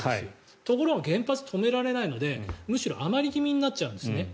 ところが原発は止められないのでむしろ余り気味になっちゃうんですね。